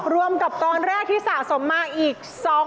รวมกับตอนแรกที่สะสมมาอีก